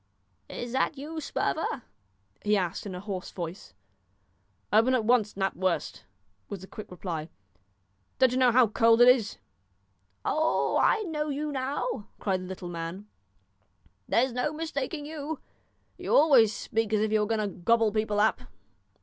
"Is that you, Sperver?" he asked in a hoarse voice. "Open at once, Knapwurst," was the quick reply. "Don't you know how cold it is?" "Oh! I know you now," cried the little man; "there's no mistaking you. You always speak as if you were going to gobble people up."